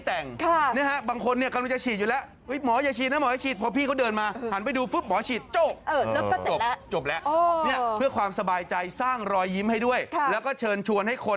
แต่ว่าคนอื่นที่กำลังจะถูกฉีดวัคซีน